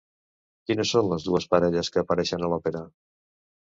Quines són les dues parelles que apareixen a l'òpera?